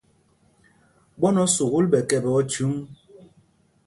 Ɓwán o sukûl ɓɛ kɛpɛ óthyǔŋ?